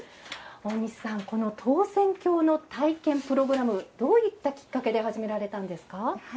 大西さんこの投扇興の体験プログラムどういったきっかけで始められたんですか？